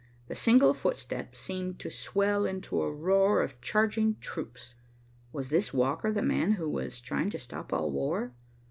The single footstep seemed to swell into a roar of charging troops. Was this walker the man who was trying to stop all war?